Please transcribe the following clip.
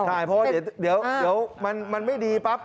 ใช่เพราะว่าเดี๋ยวมันไม่ดีปั๊บ